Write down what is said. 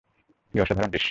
কী অসাধারণ দৃশ্য!